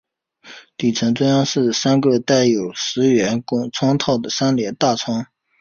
底层中央是三个带有石圆拱窗套的三联大窗。